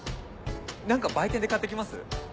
何か売店で買って来ます？